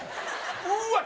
うーわっ！